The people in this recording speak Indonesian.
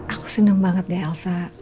aku senang banget deh elsa